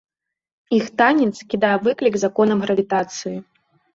Іх танец кідае выклік законам гравітацыі.